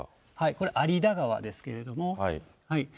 これ、有田川ですけれども。